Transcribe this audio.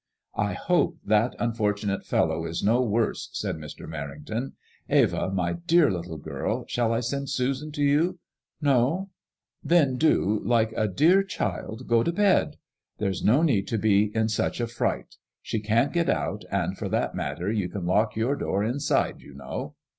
'^I hope that unfortunate fellow is no worse/' said Mr. Merrington. Eva, my dear little girl, shall I send Susan to you ? No ? Then do, like a dear child, go to bed. There's no need to be in such a fright. She can't get out, and for that matter you can lock your door inside, you know."